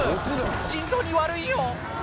心臓に悪いよ！